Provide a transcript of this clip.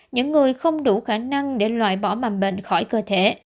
những người không đủ khả năng để loại bỏ mầm bệnh khỏi cơ thể